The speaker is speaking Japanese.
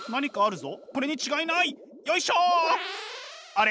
あれ？